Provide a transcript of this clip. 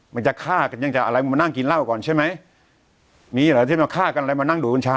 มันจะฆ่ากันยังจะอะไรมึงมานั่งกินเหล้าก่อนใช่ไหมมีเหรอที่มาฆ่ากันอะไรมานั่งดูกัญชา